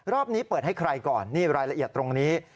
นี้เปิดให้ใครก่อนนี่รายละเอียดตรงนี้